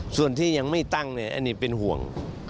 ส่วนที่ยังไม่ตั้งเนี่ยอันนี้เป็นห่วง